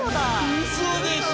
ウソでしょ？